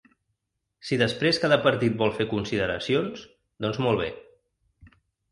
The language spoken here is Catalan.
Si després cada partit vol fer consideracions, doncs molt bé.